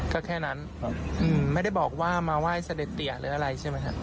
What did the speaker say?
ก็แค่นั้นไม่ได้บอกว่ามาไหว้เสด็จเตียหรืออะไรใช่ไหมครับ